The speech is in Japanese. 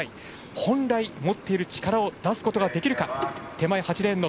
本来、持っている力を出すことができるか。